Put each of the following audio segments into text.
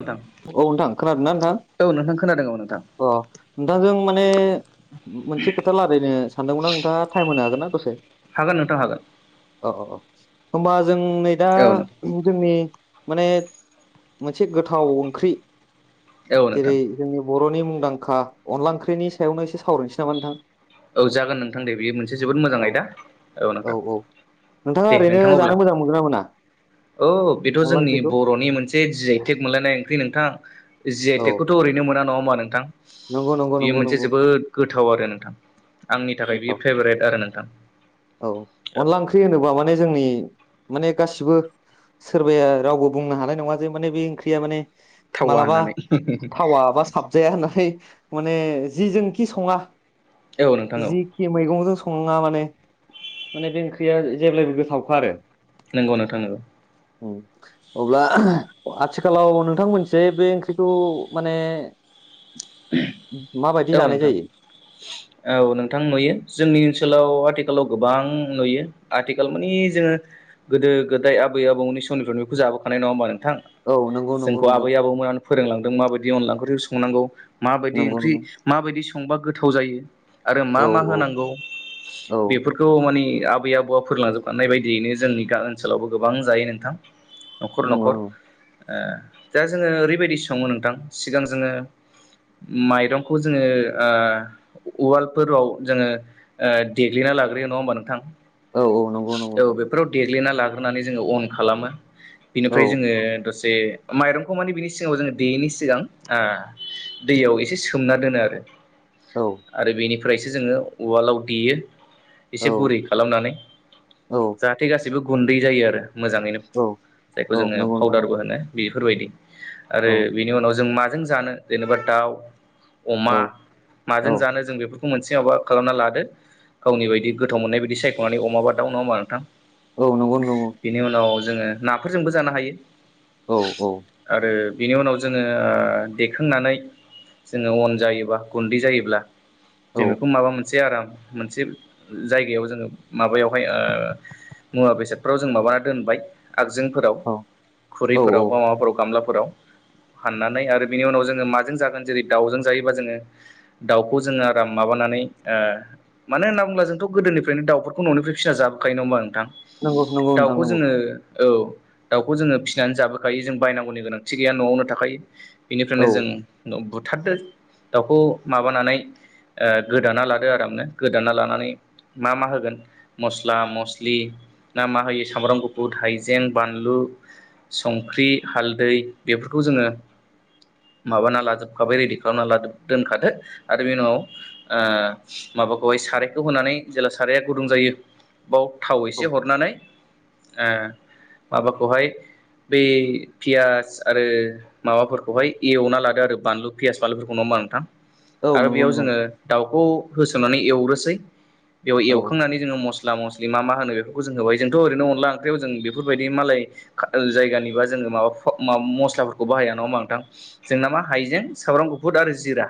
नोंथां औ नोंथां, खोनादों ना नोंथां? औ नोंथां खोनादों औ नोंथां अ', नोंथांजों माने मोनसे खोथा लारायनो सानदोंमोनलां नोंथां टाइम होनो हागोन ना दसे? हागोन नोंथां हागोन। अ अ' होनबा जों नै दा औ नोंथां जोंनि माने मोनसे गोथाव ओंख्रि औ नोंथां जेरै जोंनि बर'नि मुंदांखा अनला ओंख्रिनि सायावनो एसे सावरायनोसै नामा नोंथां? औ जागोन नोंथां दे बेयो मोनसे जोबोद मोजां औ आयदा औ नोंथां। नोंथाङा दे ओरैनो नोंथां अब्ला जानो मोजां मोनगोना मोना? औ बेथ' अनला जोंनि ओंख्रिखौ बर'नि मोनसे जि आइ थेक मोनलायनाय ओंख्रि नों थां। जि आइ औ टेकखौथ' ओरैनो मोना नङा होमबा नोंथां? नंगौ नंगौ बेयो नंगौ मोनसे नंगौ जोबोद गोथाव आरो नोंथां। आंनि थाखाय बियो फेभरेट आरो नोंथां औ अनला ओंख्रि होनोबा माने जोंनि माने गासिबो सोरबाया रावबो बुंनो हानाय नङा जे माने बे ओंख्रिया माने थावा मालाबा होननानै थावा बा साबजाया होननानै। माने जिजोंखि संङा औ नोंथां औ जिखि मैगंजों संङा माने माने बे ओंख्रिया जेब्लायबो गोथावखा आरो। नोंगौ नोंथां नोंगौ। औ अब्ला आथिखालाव नोंथां मोनथिंहाय बे ओंख्रिखौ माने माबायदि औ जानाय नोंथां जायो औ नों थां नुयो जोंनि ओनसोलाव आथिखालाव गोबां नुयो आथिखाल माने जोंङो गोदो गोदो गोदाय आबै आबौमोननि समनिफ्राय जाबोखानाय नङा होमबा नोंथां औ नंगौ नंगौ जोंखौ नंगौ आबै आबौमोनानो फोरोंलांदों माबायदि अनला ओंख्रिखौ संनांगौ माबायदि नंगौ ओंख्रि नंगौ माबायदि संबा गोथाव जायो। आरो औ मा मा औ होनांगौ औ बेफोरखौ माने आबै आबौआ फोरलांजोबखानाय बायदियैनो जोंनि ओनसोलावबो गोबां जायो नोंथां। न'खर नंगौ न'खर। नंगौ ओ दा जोङो ओरैबायदि संङो नोंथां सिगां जोङो माइरंखौ जोङो ओ उवालफोराव जोङो ओ देग्लिना लाग्रोयो नङा होनबा नोंथां? औ औ नंगौ नंगौ औ बेफोराव देग्लिना लाग्रोनानै जोङो अन खालामो। औ बिनिफ्राय जोङो दसे माइरंखौ माने बिनि सिगाङाव जोङो देैयैनि सिगां ओ दैयाव एसे सोमना दोनो आरो औ आरो बेनि फ्रायसो जोङो उवालाव देयो औ एसे गुरै खालामनानै जाहाथे गा सिबो गुन्दै जायो आरो मोजाङैनो औ जायखौ औ जोङो नंगौ नोंथां नंगौ पाउदारबो होनो बेफोरबायदि। आरो औ बेनि उनाव जों माजों जानो जेनेबा दाउ अमा औ औ माजों जानो जों बेफोर खौ मोनसे माबा खालामना लादो गावनि बायदि गोथाव मोननाय बायदि सायख'नानै अमाबा दाउ नंङा होमबा नोंथां औ नंगौ नंगौ जोंङो नाफोरजोंबो जानो हायो। औ औ बिनि उनाव जोंङो ओ देखांनानै जोंङो अन जायोबा गुन्दै जायोब्ला औ जों बेखौ माबा मोन से आराम मोनसे जायगायाव जोंङो माबायावहाय ओ मुवा बेसादफोराव जों मा बा दोनबाय आगजों औ औ खुरैफोराव बा माबाफोराव गामला फोराव हाननानै आरो बिनि उनाव जोंङो माजों जागो न जेरै दाउजों जायोबा जोंङो दाउखौ जोंङो आराम माबानानै ओ मानो होनना बुंब्ला जों थ' गोदोनिफ्रायनो दाउफोरखौ न'निफ्राय फिना जाबाखायो नंङा होमबा नोंथां नंगौ नंगौ नोंथां दाउखौ नंगौ जोङो औ दाउखौ जोंङो फिसिनानै जाबोखायो जों बायनांगौनि गोनांथि गैया न'आवनो थाखायो। बेनिफ्रायनो औ जों बुथारदो दाउखौ माबानानै ओ गोदाना लादो आरामनो गोदाना लानानै मा मा होगोन मस्ला मस्लि ना मा होयो सामब्राम गुफुर हाइजें बानलु संख्रि हालदै बेफोरखौ जोंङो माबाना लाजोबखाबाय रेडि खालामना लाजोब दोनखादो आरो बेनि उनाव ओ माबाखौहाय सारायखौ होनानै जेब्ला साराया गुदुं जायो बाव थाव एसे औ हरनानै ओ माबाखौहाय बै पियास आरो माबाफोरखौहाय एवना लादो आरो बानलु पियास बानलुफोरखौ नंङा होमबा नोंथां औ आरो नंगौ बेयाव नंगौ जोंङो दाउखौ होसोनानै एवनोसै बेयाव औ एवखांनानै जोंङो मस स्ला मस्लि मा मा होनो बेफोरखौ जों होबाय जोंथ' ओरैनो अनला ओंख्रियाव जों बेफोरबायदि मालाय खा जायगानि बा जों माबा फा मस्लाफोरखौ बाहाया नङा होमबा नोंथां जोंना मा हाइजें सामब्राम गुफुर आरो जिरा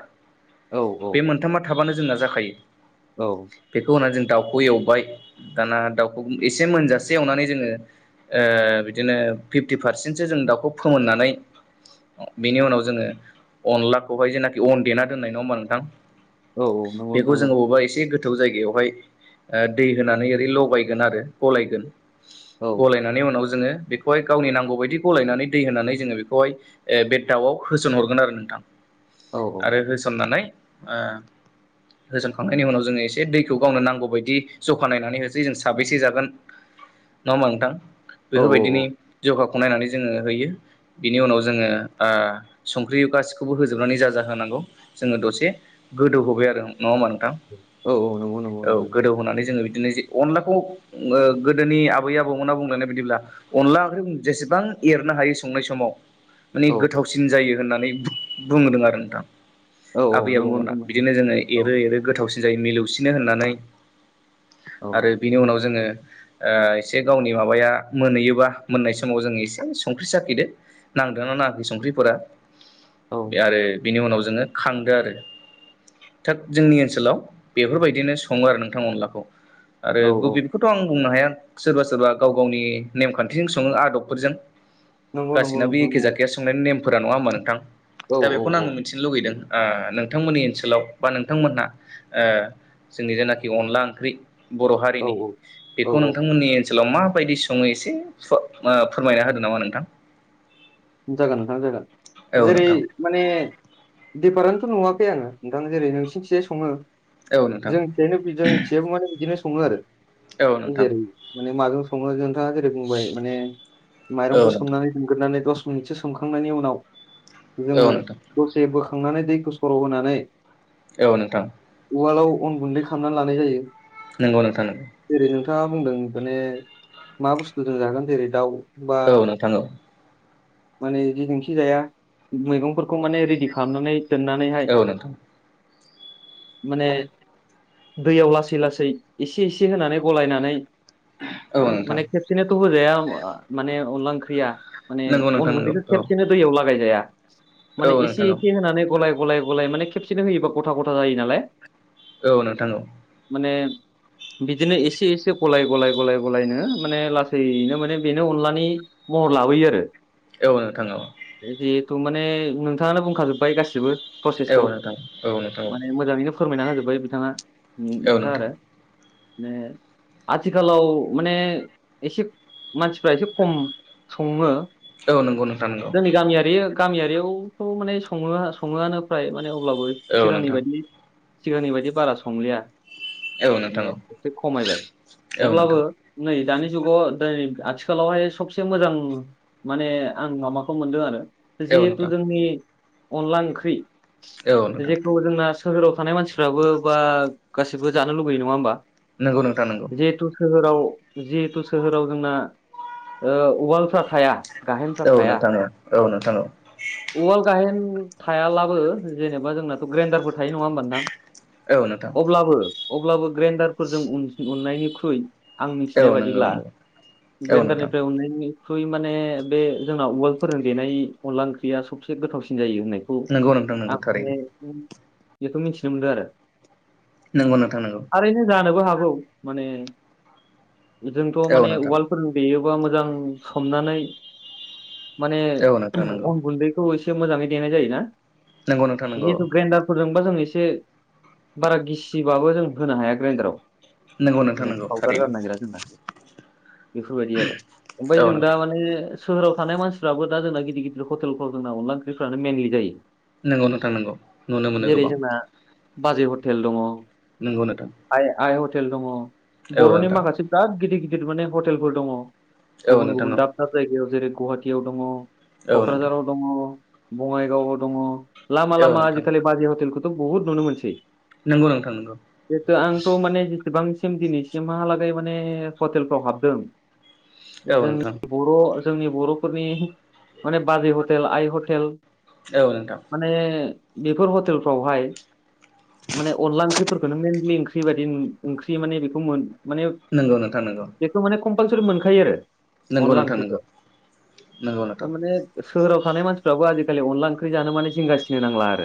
औ औ बे मोनथामा थाबानो जोंना जाखायो। औ बेखौ होननानै जों दाउखौ एवबाय दाना दाउखौ एसे मोनजासे एवनानै जोंङो ओ बिदिनो फिफ्टि पारसेन्टसो जों दाउखौ फोमोननानै बिनि उनाव जोंङो अनलाखौहाय जेनाखि अन देना दोननाय नंङा होमबा नोंथां औ औ नंगौ बेखौ नोंथां नंगौ जोंङो बबेबा एसे गोथौ जायगायावहाय दै होनानै ओरै लगायगोन आरो गलायगोन औ गलायनानै उनाव जोंङो बेखौहाय गावनि नांगौ बायदि गलायनानै दै होनानै जोंङो बेखौहाय ओ बे दाउआव होसनहरगोन आरो नोंथां औ आरो होसननानै ओ होसनखांनायनि उनाव जोंङो एसे दैखौ गावनो नांगौ बायदि जखा नायनानै होसै जों साबेसे जागोन नंङा होमबा नोंथां औ बेफोरबायदिनि जखाखौ नायनानै जोंङो होयो बिनि उनाव जोंङो ओ संख्रि गासिखौबो होजोबनानै जाजा होनांगौ जोंङो दसे गोदौहोबाय आरो उम नङा होमबा नोंथां औ औ नंगौ नंगौ औ नोंथां गोदौहोनानै जोंङो बि दिनो जे अनलाखौ ओ गोदोनि आबै आबौमोना बुंलायनाय बायदिब्ला अनला ओंख्रि जेसेबां एरनो हायो संनाय समाव माने औ गोथावसिन जायो होननानै बुंबोदों आरो नोंथां औ आबै औ नंगौ आबौमोना नोंथां नंगौ बिदिनो जोंङो औ एरो एरो गोथावसिन जायो मिलौसिनो होननानै औ आरो बिनि उनाव जोंङो ओ एसे गावनि माबाया मोनहैयोबा मोननाय समाव जों एसे संख्रि साखिदो नांदो ना नाङाखै संख्रिफोरा औ बे आरो बिनि उनाव जोंङो खांदो आरो। थाग जोंनि ओनसोलाव बेफोरबायदिनो संङो आरो नोंथां अनलाखौ। आरो औ औ गुबैखौथ' आं बुंनो हाया सोरबा सोरबा गाव गावनि नेमखान्थिजों सङो आदबफोरजों नंगौ नंगौ गासैनाबो नोंथां एखे नंगौ जाखाया संनायनि नेमफोरा नंङा होमबा नोंथां औ दा बेखौनो आं मिथिनो लुगैदों। ओ नोंथांमोननि ओनसोलाव बा नोंथांमोनहा ओ जोंनि जेनाखि अनला ओंख्रि बर' औ हारिनि औ बेखौ औ नोंथांमोननि ओनसोलाव माबायदि सङो एसे फो ओ फोरमायना होदों नामा नोंथां जागोन नोंथां जागोन औ नोंथां जेरै- माने दिफारेन्थ' नुवाखै आङो नोंथां जेरै नोंसिनिथिंजाय सङो औ नोंथां जोंथिंजायनो जोंथियाब माने बिदिनो सङो आरो औ नों नोंथां जेरै माने माबायाव सोङो नोंथाङा जेरै बुंबाय माने औ माइरंखौ नोंथां सोमनानै सोमग्रोनानै दस मिनिटसो सोमखांनायनि उनाव जोङो औ नोंथां दसे बोखां नानै दैखौ सर' होनानै औ नोंथां उवालाव अन गुन्दै खालामनानै लानाय जायो। नोंगौ नोंथां नोंखौ। जेरै नोंथाङा बुंदों माने मा बुस्थुजों जागोन जेरै-दाउ औ नोंथां औ माने जेजोंखि जाया मैगंफोरखौ माने रेदि खालामनानै दोननानैहाय औ नोंथां माने दैयाव लासै लासै एसे एसे होनानै गलायनानै औ नोंथां माने खेबसेनोथ' होजाया माने अनला ओंख्रिया माने नंगौ अन नोंथां नंगौ गुन्दैखौ औ खेबसेनो दैयाव लागाय जाया औ माने नोंथां एसे औ एसे होनानै गलाय- गलाय माने खेबसेनो होयोबा गथा गथा जायो नालाय औ नोंथां औ माने बिदिनो एसे एसे गलाय गलाय गलाय गलायनो माने लासैनो माने बेनो अनलानि महर लाबोयो आरो औ नोंथां औ जिहेथु माने नोंथाङानो बुंखाजोबबाय गासिबो औ प्रसेसखौ नोंथां औ नोंथां माने मोजाङैनो फोरमायना होजोब्बाय बिथाङा औ नों-नोंथाङा नोंथां आरो माने आथिखालाव माने एसे मानसिफ्रा एसे खम सङो औ नंगौ नोंथा नंगौ। जोंनि गामियारि गामियारियावथ' माने सङो सङोआनो फ्राय माने अब्लाबो औ सिगांनि नोंथां बायदि सिगांनि बायदि बारा संलिया। औ माने नोंथां एसे खमायबाय औ नोंथां अब्लाबो नै दानि जुगाव बे आथिखालावहाय सबसे मोजां माने आं माबाखौ मोनदों आरो औ जिहेथु नोंथां जोंनि अनला ओंख्रि औ नोंथां जेखौ जोंना सोहोराव थानाय मानसिफ्राबो बा गासिबो जानो लुबैयो, नङा होमबा? नोंगौ नोंथां नोंगौ। जिहेथु सोहोराव जिहेथु सोहोराव जोंना ओ उवालफ्रा थाया गाहेनफ्रा औ थाया। नोंथां औ औ नोंथां औ नोंथां औ उवाल-गाहेन थायालाबो जेनेबा जोंनाथ' ग्राइन्डारफोर थायो। नङा होमबान नोंथां? अब्लाबो अब्लाबो ग्रेन्डारफोरजों उननायनिख्रुइ आं नंगौ मिथिनाय बायदिब्ला नंगौ औ नोंथां ग्रेन्डारनिफ्राय उननायनिख्रुइ माने बे जोंना उवाल फोरजों देनाय अनला ओंख्रिया सबसे गोथावसिन जायो होननायखौ नंगौ नोंथां आं नंगौ थारैनो माने बेखौ मिथिनो मोनदों आरो। नोंगौ नोथां नोंगौ। औ माने जोंथ' औ माने नोंथां उवालफोरजों देयो बा मोजां सोमनानै माने औ नोंथां नंगौ अन गुन्दैखौ एसे मोजाङै देनाय जायोना नंगौ नोंथां नंगौ जिहेथु ग्रेन्डारफोरजों बा जों एसे बारा गिसिबाबो जों होनो हाया ग्राइन्डाराव नंगौ नोंथां माने नंगौ फावदार थारैनो जानो नागिरा जोंना बेफोर बायदि आरो ओमफ्राय औ जों दा नोंथां माने सोहोव थानाय मानसिफ्राबो दा जोंना गिदिर गिदिर हटेलफ्राव जों अनला ओंख्रिफ्रानो मेनलि जायो। नंगौ नोंथां नंगौ नुनो मोनो जेरै गोबां। जोंना बाजै हटेल दङ। नोंगौ नोंथां। आइ आइ हटेल दङ औ बर'नि नोंथां माखासे बिराद गिदिर गिदिर माने हटेलफोर दङ। औ गुबुन नोंथां गुबुन दाब औ दाब जायगायाव जेरै गुवाहाटियाव दङ औ नोंथां क'क्राझाराव दङ। बङाइगाव दङ लामा औ लामा आजि नोंथां खालि बाजै हटेलखौथ' बुहुत नुनो मोनसै। नंगौ नोंथां नंगौ जिथु आंथ' माने जेसेबां दिनैसिमहालागै माने हटेलफ्राव हाबदों औ जों नोंथां बर' जोंनि बर'फोरनि माने बाजै हटेल आइ हटेल औ नोंथां माने बेफोर हटेलफ्रावहाय माने अनला ओंख्रिफोर खौनो मेनलि ओंख्रि बायदि ओंख्रि माने बेखौ मोन माने नंगौ नोंथां नंगौ बेखौ माने कमपलसारि मोनखायो आरो। नंगौ अनला नोंथां ओंख्रिखौ नंगौ नंगौ ओमफ्राय नोंथां। माने सोहोराव थानाय मानसिफ्राबो आजि खालि अनला ओंख्रि जानो माने जिंगासिनो नांला आरो।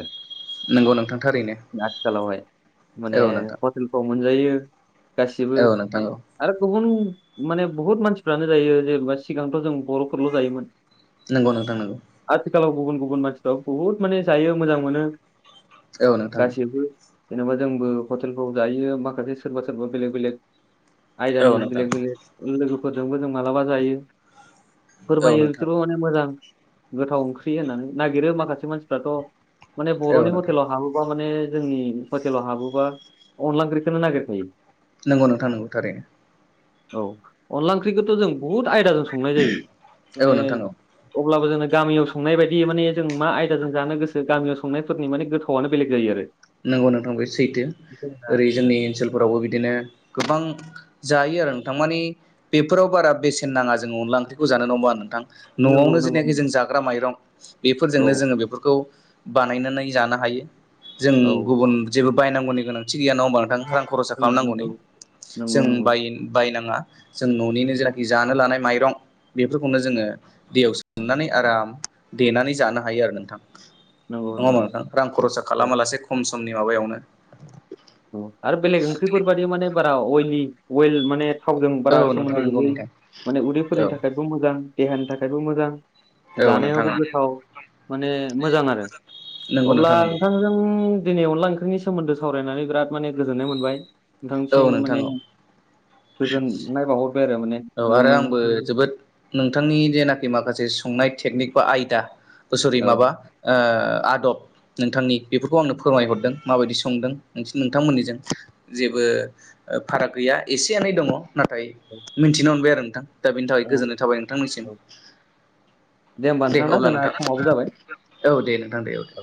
नंगौ नोंथां थारैनो आथिखालावहाय माने औ नोंथां मोनजायो गासिब औ नोंथां औ माने बुहुत मानसिफ्रानो जायो जेनेबा सिगांथ' जों बर'फोरल' जायोमोन। नोंगौ नोंथां नोंगौ। आथिखालाव गुबुन गुबुन मानसिफ्राव बहुत माने जायो मोजां मोनो। औ नोंथां। गासिबो जेनेबा जोंबो हटेलफ्राव जायो माखासे सोरबा सोरबा बेलेग बेलेग औ आयदानि नोंथां बेलेग बेलेग लोगोफोरजोंबो जों मालाबा जायो। औ फोरमायो नोंथां बिसोरबो माने मोजां गोथाव ओंख्रि होननानै नागिरो माखासे मानसिफ्राथ'। माने औ बर'नि नोंथां हतेलाव हाबोबा। मानि जोंनि हटेलाव हाबोबा अनला ओंख्रिखौनो नागिर खायो नंगौ नोंथां नंगौ थारैनो औ अनला ओंख्रिखौथ' जों बुहुत आयदाजों संनाय जायो। औ माने नोंथां औ अब्लाबो जोंनो गामियाव संनाय बायदि मानि जों मा आयदाजों जानो गोसो गामियाव संनायफोरनि माने गोथावआनो बेलेग जायो आरो नोंगौ नोंथां बे सैथो जोंना ओरै जोंनि ओनसोलफोरावबो बिदिनो गोबां जायो आरो नोंथां मानि बेफोराव बारा बेसेन नाङा जोङो अनला ओंख्रिखौ जानो नंङा होनबा नोंथां नंगौ न'आवनो नंगौ जिनाखि जों जाग्रा माइरं औ बेफोरजोंनो जोङो बेफोरखौ बानायनानै जानो हायो जों औ गुबुन जेबो बायनांगौनि गोनांथि गैया नङा होमबा नोंथां रां खरसा नंगौ खालामनांगौनि नंगौ नंगौ जों बाय‌ बायनाङा जों न'निनो जेनाखि जानो लानाय माइरं बेफोरखौनो जोङो दैयाव सोमनानै आराम देनानै जानो हायो आरो नोंथां नङा नंगौ नंगौ होमबा नोंथां रां खरसा औ खालामा लासे खम समनि माबायावनो आरो बेलेग ओंख्रिफोर बायदि माने बारा अइलि अइेल माने थावजों औ बारा नोंथां सोमोन्दो नंगौ गैयै नोंथां माने उदैफोरनि औ थाखायबो मोजां देहानि थाखायबो मोजां औ नोंथां जानायावबो औ गोथाव माने मोजां आरो नंगौ अब्ला नोंथां नंगौ नोंथांजों दिनै अनला ओंख्रिनि सोमोन्दै सावरायनानै बिराद माने गोजोननाय मोनबाय औ नोंथांनिसिम नोंथां मानि औ गोजोननाय बाहरबाय आरो माने औ मोजां आरो आंबो नांदों जोबोद नोंथांनि जेनाखि माखासे संनाय तेकनिक बा आयदा औ [inaudible] आदब नोंथांनि बेफोरखौ आंनो फोरमाय हरदों माबायदि संदों नोंथांमोननिजों जेबो फाराग गैया एसेयालाय दङ नाथाय औ मिथिनो मोनबाय आरो नोंथां दा बेनि थाखाय औ गोजोननाय थाबाय नोंथांनिसिम। औ। होमबा दे ना अब्ला जोंना नोंथां समाबो जाबाय औ दे नोंथां दे औ दे।